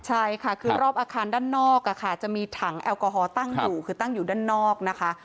ใช่ค่ะคือรอบอาคารด้านนอกจะมีถังแอลกอฮอลตั้งอยู่คือตั้งอยู่ด้านนอกนะคะ